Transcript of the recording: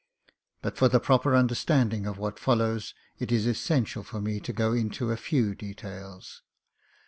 But, for the proper understanding of what follows, it is essential for me to go into a few details.